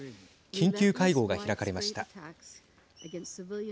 緊急会合が開かれました。